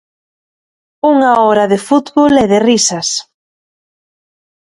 Unha hora de fútbol e de risas.